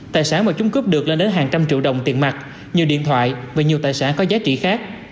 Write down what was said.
tài sản mà chúng cướp được lên đến hàng trăm triệu đồng tiền mặt nhiều điện thoại và nhiều tài sản có giá trị khác